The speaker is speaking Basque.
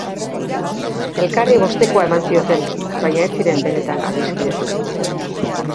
Elkarri bostekoa eman zioten, baina ez ziren benetan adiskidetu.